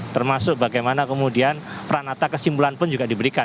termasuk bagaimana kemudian peranata kesimpulan pun juga diberikan